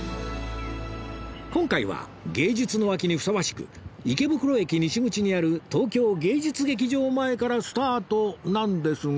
今回は芸術の秋にふさわしく池袋駅西口にある東京芸術劇場前からスタートなんですが